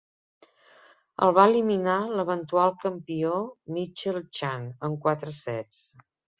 El va eliminar l'eventual campió Michael Chang en quatre sets.